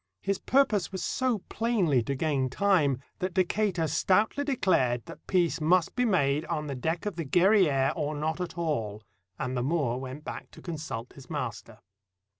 His purpose was so plainly to gain time that Decatur stoutly declared that peace must be made on the deck 304 THE BARBARY PIRATES of the Guerriere or not at all, and the Moor went back to consult his master.